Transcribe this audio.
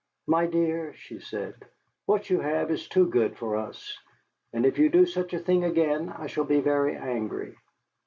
"My dear," she said, "what you have is too good for us. And if you do such a thing again, I shall be very angry."